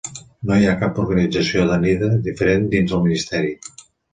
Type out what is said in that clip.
No hi ha cap organització Danida diferent dins el Ministeri.